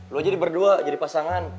lo jadi berdua jadi pasangan